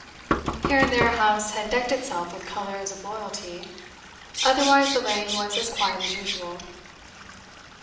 Here and there a house had decked itself with colours of loyalty; otherwise the Lane was as quiet as usual.